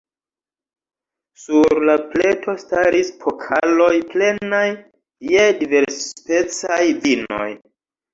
Sur la pleto staris pokaloj plenaj je diversspecaj vinoj.